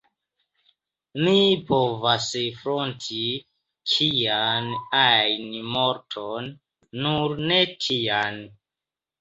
Mi povas fronti kian ajn morton, nur ne tian.